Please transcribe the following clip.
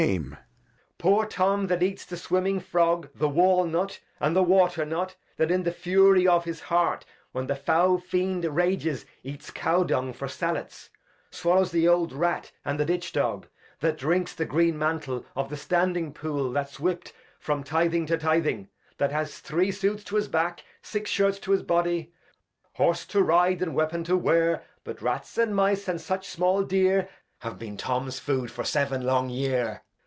Edg. Poor Tom, that eats the swiming Frog, the Wall Newt and the Water Newt ; that in the Fury of his Heart, when the foul Fiend rages, eats Cow Dung for Sallets, swallows the old Rat, and the Ditch Dog, that drinks the green Mantle of the standing Pool, that's whipt from Tithing to Tithing, that has three Suits to his Back, Six Shirts to his Body. Horse to ride, and Weapon to wear. But Rats and Mice, and such small Deer, Have been Tom's Food for seven long Year.